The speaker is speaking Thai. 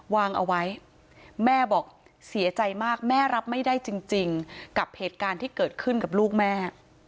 วางเอาไว้แม่บอกเสียใจมากแม่รับไม่ได้จริงกับเหตุการณ์ที่เกิดขึ้นกับลูกแม่